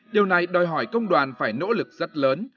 điều này đòi hỏi công đoàn phải nỗ lực rất lớn